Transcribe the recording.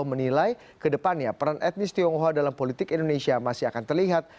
menilai ke depannya peran etnis tionghoa dalam politik indonesia masih akan terlihat